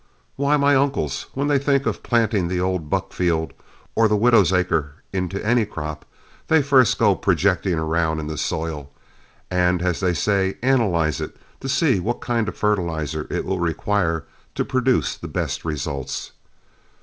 Why, my uncles, when they think of planting the old buck field or the widow's acre into any crop, they first go projecting around in the soil, and, as they say, analyze it, to see what kind of a fertilizer it will require to produce the best results.